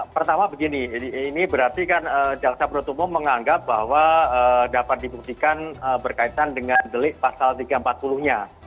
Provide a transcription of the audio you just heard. pertama begini ini berarti kan jaksa penutup umum menganggap bahwa dapat dibuktikan berkaitan dengan delik pasal tiga ratus empat puluh nya